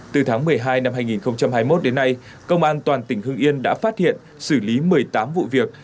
từ tháng một mươi hai năm hai nghìn hai mươi một đến nay công an toàn tỉnh hương yên đã phát hiện xử lý một mươi tám vụ việc